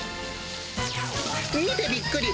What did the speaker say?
見てびっくり！